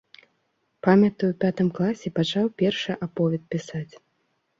Памятаю ў пятым класе пачаў першы аповед пісаць.